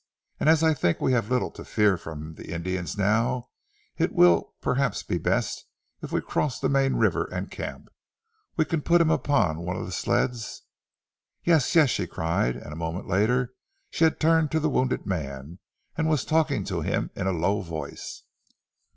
And as I think we have little to fear from the Indians now, it will perhaps be best if we cross the main river and camp. We can put him upon one of the sleds " "Yes! Yes!" she cried, and a moment later she had turned to the wounded man, and was talking to him in a low voice.